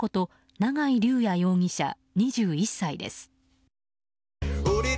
永井竜也容疑者、２１歳です。